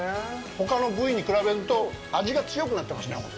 ほかの部位に比べると味が強くなってますね。